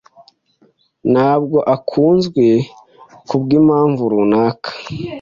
Ntabwo akunzwe kubwimpamvu runaka.